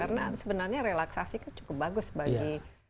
karena sebenarnya relaksasi kan cukup bagus bagi iklim usaha